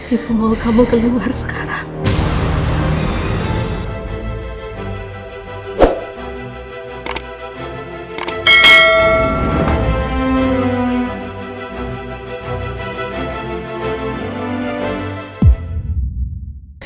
ibu mau kamu keluar sekarang